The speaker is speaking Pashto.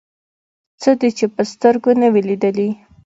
څه دې چې په سترګو نه وي لیدلي.